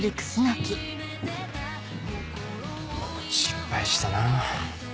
失敗したなぁ。